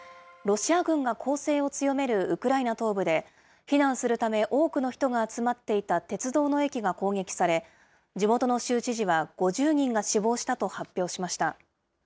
ロシア軍が攻勢を強めるウクライナ東部で、避難するため、多くの人が集まっていた鉄道の駅が攻撃され、地元の州知事は５０人が死亡したと発表しました。